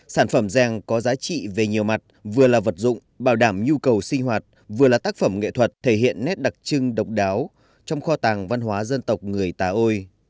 sản phẩm rèn có giá trị về nhiều mặt vừa là vật dụng bảo đảm nhu cầu sinh hoạt vừa là tác phẩm nghệ thuật thể hiện nét đặc trưng độc đáo trong kho tàng văn hóa dân tộc người tà ôi